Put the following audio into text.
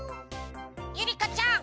ゆりかちゃん！